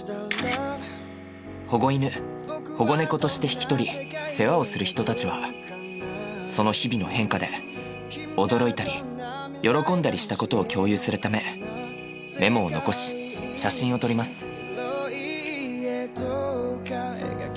保護犬保護猫として引き取り世話をする人たちはその日々の変化で驚いたり喜んだりしたことを共有するためメモを残し写真を撮ります。